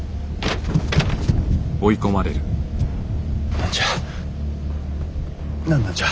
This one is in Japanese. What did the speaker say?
何じゃ何なんじゃ。